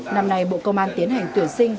năm nay bộ công an tiến hành tuyển sinh